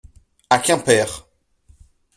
À Quimper.